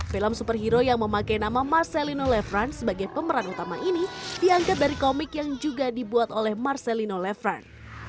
film superhero yang memakai nama marcelino levran sebagai pemeran utama ini diangkat dari komik yang juga dibuat oleh marcelino levran